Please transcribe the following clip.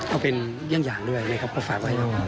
เอาเป็นอย่างอย่างด้วยครับเพราะฝากว่าให้น้อง